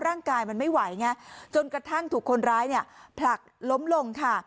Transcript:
ร่างกายมันไม่ไหวไงจนกระทั่งถูกคนร้ายเนี่ยผลักล้มลงค่ะ